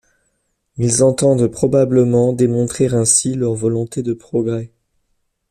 Ils entendent probablement démontrer ainsi leur volonté de progrès.